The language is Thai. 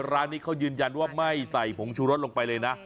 ร้านนี้เขายืนยันว่าไม่ใส่ผงชูรสลงไปเลยนะ